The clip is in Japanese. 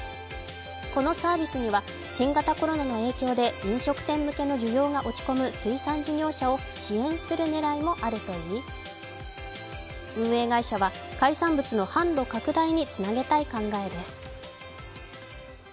このサービスには、新型コロナの影響で飲食店向けの需要が落ち込む水産事業者を支援する狙いもあるといい、運営会社は海産物の販路拡大につなげたい考えです。